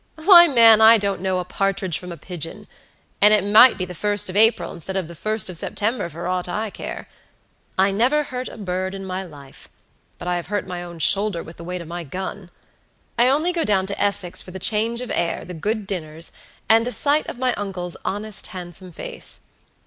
"Why, man, I don't know a partridge from a pigeon, and it might be the 1st of April, instead of the 1st of September, for aught I care. I never hurt a bird in my life, but I have hurt my own shoulder with the weight of my gun. I only go down to Essex for the change of air, the good dinners, and the sight of my uncle's honest, handsome face.